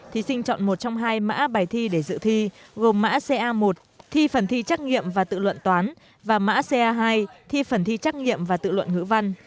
thí sinh chọn một trong hai mã bài thi để dự thi gồm mã ca một thi phần thi trắc nghiệm và tự luận toán và mã ca hai thi phần thi trắc nghiệm và tự luận ngữ văn